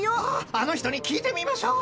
あの人に聞いてみましょう。